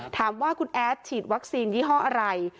ถามว่าคุณแอดฉีดวัคซีนยี่ห้ออะไร